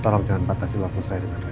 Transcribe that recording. tolong jangan batasi waktu saya dengan baik